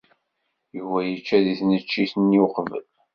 Yuba yečča deg tneččit-nni uqbel.